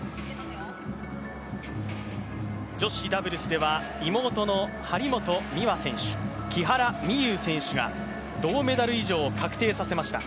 女子ダブルスでは妹の張本美和選手、木原美悠選手が銅メダル以上を確定させました。